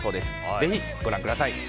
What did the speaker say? ぜひご覧ください。